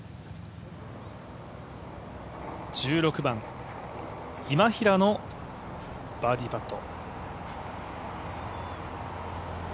１６番、今平のバーディーパット。